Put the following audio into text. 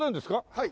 はい。